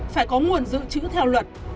phải có nguồn giữ chữ theo luật